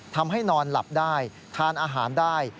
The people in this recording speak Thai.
ทำให้นอนหลับได้ทานอาหารได้